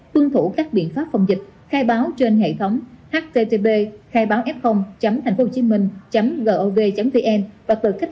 tuân thủ các biện pháp phòng dịch khai báo trên hệ thống http khaibáof thànhphogh gov vn và tự cách ly theo quy định nếu test nhanh dương tính